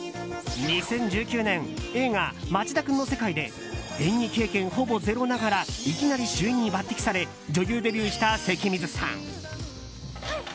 ２０１９年映画「町田くんの世界」で演技経験ほぼゼロながらいきなり主演に抜擢され女優デビューした関水さん。